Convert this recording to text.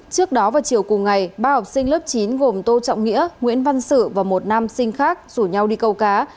trước đó vào chiều cùng ngày ba học sinh lớp chín gồm tô trọng nghĩa nguyễn văn sự và một nam sinh khác rủ nhau đi câu cá